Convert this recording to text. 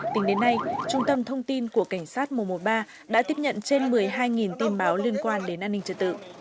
tính đến nay trung tâm thông tin của cảnh sát mùa mùa ba đã tiếp nhận trên một mươi hai tin báo liên quan đến an ninh trật tự